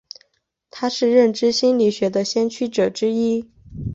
他是认知心理学的先驱者之一。